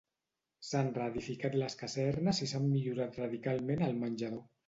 S'han reedificat les casernes i s'han millorat radicalment el menjador.